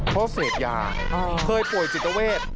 เพราะเสพยาเคยป่วยจิตเวท